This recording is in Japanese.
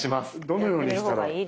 どのようにしたら？